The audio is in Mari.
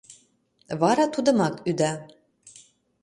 Вара тудымак ӱда.